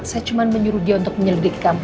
saya cuma menyuruh dia untuk menyelidiki